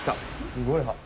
すごい歯！